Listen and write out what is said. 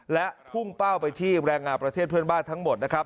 และพุ่งเป้าไปที่แรงงานประเทศเพื่อนบ้านทั้งหมดนะครับ